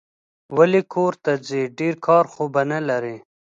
ولي کورته ځې ؟ ډېر کار خو به نه لرې